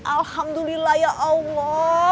alhamdulillah ya allah